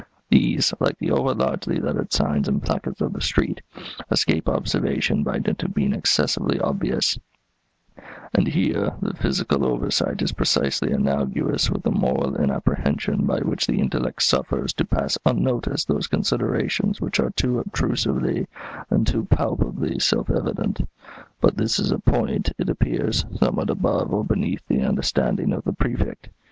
These, like the over largely lettered signs and placards of the street, escape observation by dint of being excessively obvious; and here the physical oversight is precisely analogous with the moral inapprehension by which the intellect suffers to pass unnoticed those considerations which are too obtrusively and too palpably self evident. But this is a point, it appears, somewhat above or beneath the understanding of the Prefect.